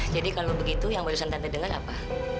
jadi kalau begitu yang barusan tante denger apa